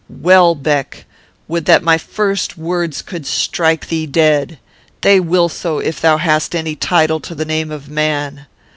Welbeck! Would that my first words could strike thee dead! They will so, if thou hast any title to the name of man.